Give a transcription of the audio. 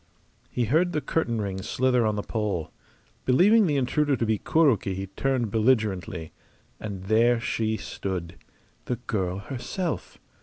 He heard the curtain rings slither on the pole. Believing the intruder to be Kuroki he turned belligerently. And there she stood the girl herself!